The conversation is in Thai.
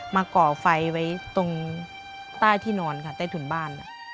ก่อไฟไว้ตรงใต้ที่นอนค่ะใต้ถุนบ้าน